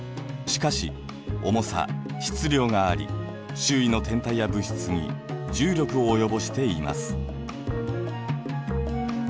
しかし重さ・質量があり周囲の天体や物質に重力を及ぼしています。